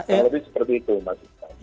kalau lebih seperti itu mas ismail